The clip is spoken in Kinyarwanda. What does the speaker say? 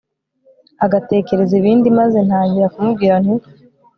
agatekereza ibindi maze ntangira kumubwira nti